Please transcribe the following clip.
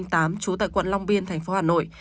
trú tại quận long biên tp hà nội